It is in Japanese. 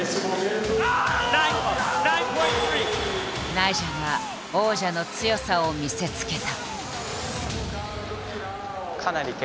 ナイジャが王者の強さを見せつけた。